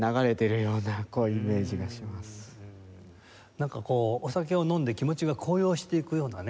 なんかこうお酒を飲んで気持ちが高揚していくようなね。